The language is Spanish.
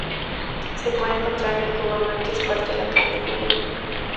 Se puede encontrar en el Cuba Mall, que es parte de la calle Cuba.